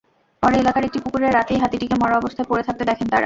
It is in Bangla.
পরে এলাকার একটি পুকুরে রাতেই হাতিটিকে মরা অবস্থায় পড়ে থাকতে দেখেন তাঁরা।